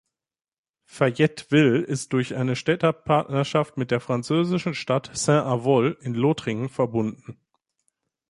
Fayetteville ist durch eine Städtepartnerschaft mit der französischen Stadt Saint-Avold in Lothringen verbunden.